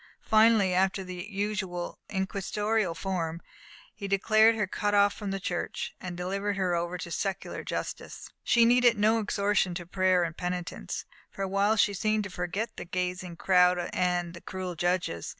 Finally, after the usual inquisitorial form, he declared her cut off from the Church, and delivered over to secular justice. She needed no exhortation to prayer and penitence. For a while she seemed to forget the gazing crowd and the cruel judges.